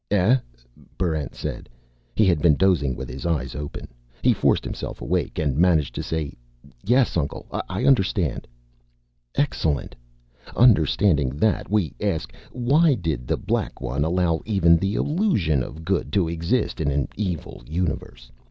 "Eh?" Barrent said. He had been dozing with his eyes open. He forced himself awake and managed to say, "Yes, Uncle, I understand." "Excellent. Understanding that, we ask, why did The Black One allow even the illusion of Good to exist in an Evil universe?